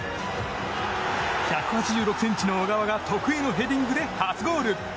１８６ｃｍの小川が得意のヘディングで初ゴール。